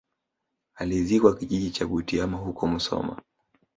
Alizikwa kijiji cha Butiama huko musoma